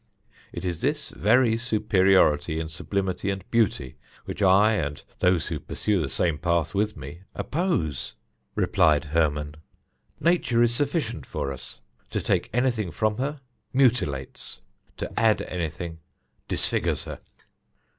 "It is this very superiority in sublimity and beauty which I, and those who pursue the same path with me, oppose," replied Hermon. "Nature is sufficient for us. To take anything from her, mutilates; to add anything, disfigures her."